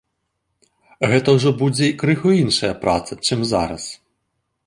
Гэта ўжо будзе крыху іншая праца, чым зараз.